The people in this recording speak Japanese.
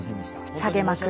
下げまくる。